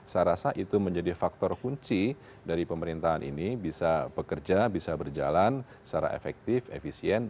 saya rasa itu menjadi faktor kunci dari pemerintahan ini bisa bekerja bisa berjalan secara efektif efisien